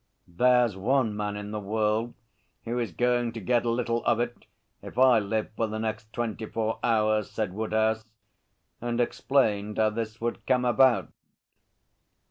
'There's one man in the world who is going to get a little of it if I live for the next twenty four hours,' said Woodhouse, and explained how this would come about.